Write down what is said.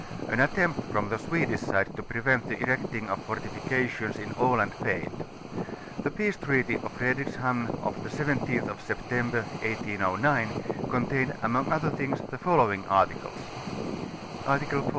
An attempt from the Swedish side to prevent the erecting of fortifications in Aland failed^ The peace treaty of Fredrikshamn of the 17th of Sept. 1809 contained among other things the following articles: Article TV.